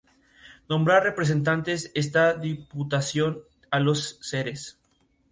Nombrar representantes de esta Diputación a los Sres.